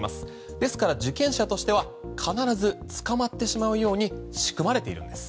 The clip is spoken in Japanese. ですから受験者としては必ず捕まってしまうように仕組まれているんです。